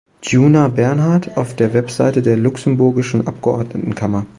Djuna Bernard auf der Webseite der luxemburgischen Abgeordnetenkammer